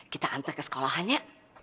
kita antar ke sekolahannya